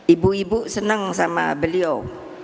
ibu ibu seneng sama beliau